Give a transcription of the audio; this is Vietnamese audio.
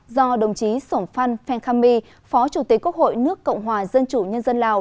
do đồng chí sổng phan phen kham my phó chủ tịch quốc hội nước cộng hòa dân chủ nhân dân lào